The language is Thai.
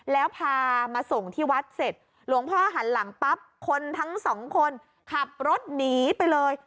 แล้วพามาส่งที่วัดเสร็จหลวงพ่อหันหลังปั๊บคนทั้งสองคนขับรถหนีไปเลย